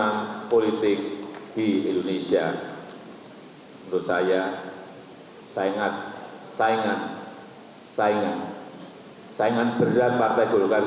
kami ingin meminta ketua umum dpp partai golkar